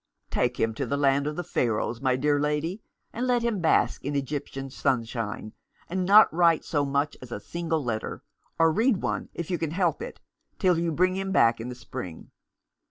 " Take him to the land of the Pharaohs, my dear lady, and let him bask in Egyptian sunshine, and not write so much as a single letter, or read one, if you can help it, till you bring him back in the spring.